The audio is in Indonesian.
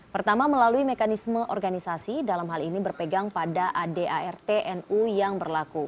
pertama melalui mekanisme organisasi dalam hal ini berpegang pada adart nu yang berlaku